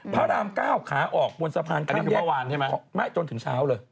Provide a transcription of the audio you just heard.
พระรามก้าวขาออกบนสะพานข้ามแยก